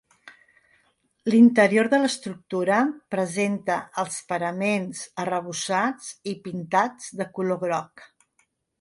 L'interior de l'estructura presenta els paraments arrebossats i pintats de color groc.